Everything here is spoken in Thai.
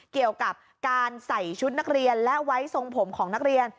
เกี่ยวกับการใส่ชุดนักเรียนและไว้ทรงผมของนักเรียน